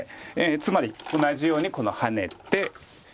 つまり同じようにハネて。